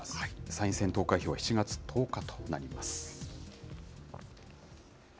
参院選投開票は７月１０日となります。